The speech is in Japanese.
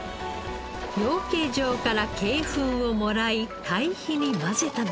養鶏場から鶏糞をもらい堆肥に混ぜたのです。